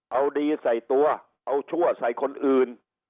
เอาดีใส่ตัวเอาชั่วใส่คนอื่น